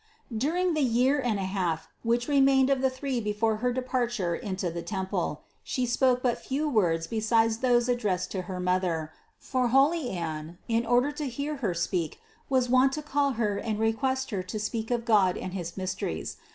During the year and a half, which remained of the three before her departure into the temple, She spoke but few words beside those ad dressed to her mother; for holy Anne, in order to hear THE CONCEPTION 315 Her speak, was wont to call Her and request Her to speak of God and his mysteries.